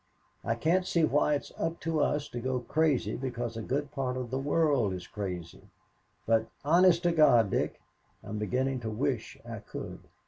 I can't see why it's up to us to go crazy because a good part of the world is crazy, but, honest to God, Dick, I'm beginning to wish I could.